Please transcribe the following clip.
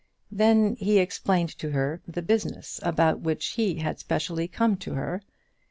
Then he explained to her the business about which he had specially come to her.